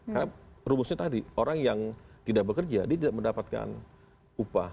karena rumusnya tadi orang yang tidak bekerja dia tidak mendapatkan upah